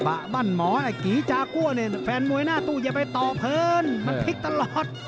บะบั้นหมอกี่จากั้วแฟนมวยหน้าตุอย่าไปต่อเพิ่นมันพลิกตลอด